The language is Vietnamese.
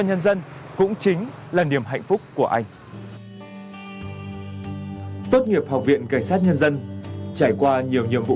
nhân dân cũng chính là niềm hạnh phúc của anh tốt nghiệp học viện cảnh sát nhân dân trải qua nhiều nhiệm vụ